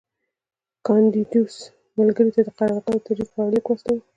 کاندیدوس ملګري ته د قرارګاه د تجهیز په اړه لیک واستاوه